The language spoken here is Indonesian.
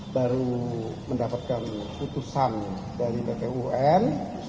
baru mendapatkan putusan dari pt un